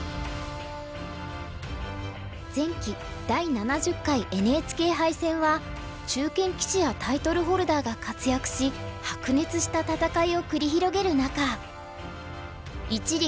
前期第７０回ＮＨＫ杯戦は中堅棋士やタイトルホルダーが活躍し白熱した戦いを繰り広げる中一力